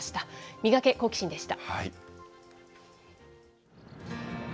ミガケ、好奇心！でした。